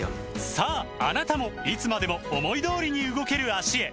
さああなたもいつまでも思い通りに動ける脚へサントリー「ロコモア」